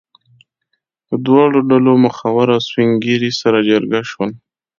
د دواړو ډلو مخور او سپین ږیري سره جرګه شول.